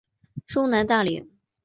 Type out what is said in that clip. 中南大羚。